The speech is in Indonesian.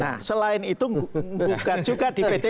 nah selain itu gugat juga di pt un